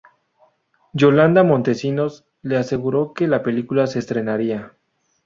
Yolanda Montecinos le aseguró que la película se estrenaría.